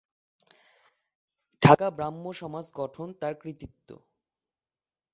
ঢাকা ব্রাহ্মসমাজ গঠন তার কৃতিত্ব।